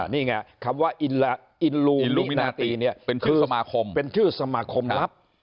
นี่ไงคำว่าอิลลูมินาติเป็นชื่อสมาคมรับ